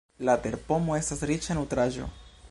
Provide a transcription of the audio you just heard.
La terpomo estas riĉa nutraĵo.